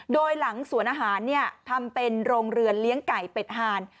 โดยหลังสวนอาหารทำเป็นโรงเรือนเลี้ยงไก่เป็ดหาน